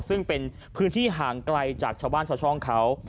ซึ่งเป็นพื้นที่ห่างไกลจากชาวบ้านชาวช่องเขา